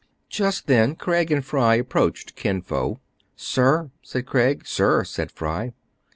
Just then Craig and Fry approached Kin Fo. " Sir !" said Craig. " Sir !" said Fry.